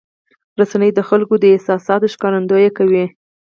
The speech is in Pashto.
رسنۍ د خلکو د احساساتو ښکارندویي کوي.